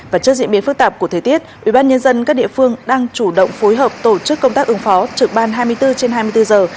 và trước diễn biến phức tạp của thời tiết ubnd các địa phương đang chủ động phối hợp tổ chức công tác ứng phó trực ban hai mươi bốn trên hai mươi bốn giờ